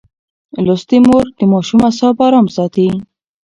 لوستې مور د ماشوم اعصاب ارام ساتي.